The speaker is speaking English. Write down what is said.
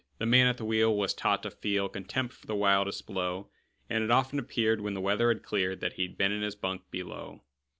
The man at the wheel was taught to feel Contempt for the wildest blow, And it often appeared, when the weather had cleared, That he'd been in his bunk below.